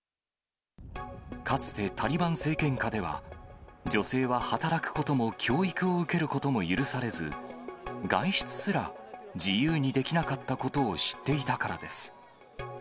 かつてタリバン政権下では、女性は働くことも教育を受けることも許されず、外出すら自由にできなかったことを知っていたからです。